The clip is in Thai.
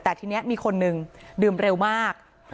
แต่ทีนี้มีคนหนึ่งดื่มเร็วมาก